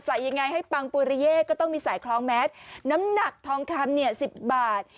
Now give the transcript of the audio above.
ยังไงให้ปังปุริเย่ก็ต้องมีสายคล้องแมสน้ำหนักทองคำเนี่ยสิบบาท